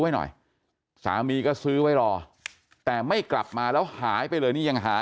ไว้หน่อยสามีก็ซื้อไว้รอแต่ไม่กลับมาแล้วหายไปเลยนี่ยังหา